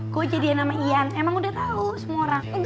gue jadian sama ian emang udah tau semua orang